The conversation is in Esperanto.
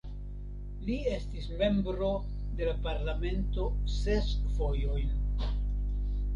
Li estis membro de la Parlamento ses fojojn.